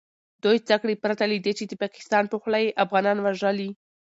دوئ څه کړي پرته له دې چې د پاکستان په خوله يې افغانان وژلي .